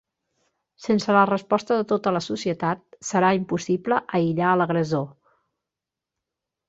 Sense la resposta de tota la societat serà impossible aïllar l'agressor.